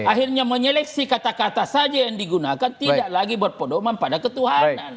akhirnya menyeleksi kata kata saja yang digunakan tidak lagi berpedoman pada ketuhanan